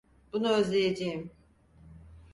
Bunu özleyeceğim.